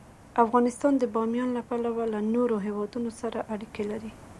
افغانستان د بامیان له پلوه له نورو هېوادونو سره اړیکې لري.